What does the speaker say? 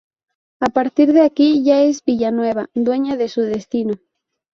A partir de aquí ya es Villanueva dueña de su destino.